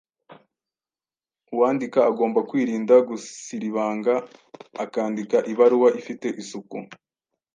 Uwandika agomba kwirinda gusiribanga, akandika ibaruwa ifite isuku.